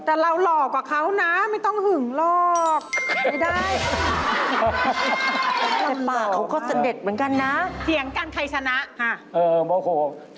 แต่เราหลอกกว่าเขาน่าไม่ต้องหึงหรอก